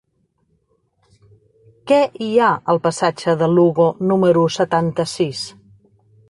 Què hi ha al passatge de Lugo número setanta-sis?